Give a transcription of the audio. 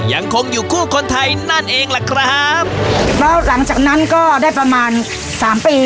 ยังคงอยู่คู่คนไทยนั่นเองล่ะครับแล้วหลังจากนั้นก็ได้ประมาณสามปี